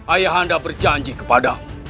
ayah anda berjanji kepadamu